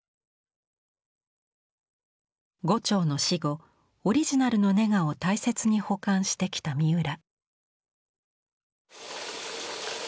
牛腸の死後オリジナルのネガを大切に保管してきた三浦。